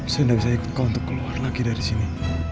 saya gak bisa ikut kau untuk keluar lagi dari sini